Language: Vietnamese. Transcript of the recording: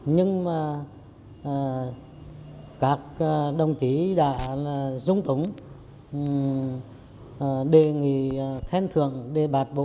nhưng mà các đồng chí đã dung tủng đề nghị khen thượng đề bạt bộ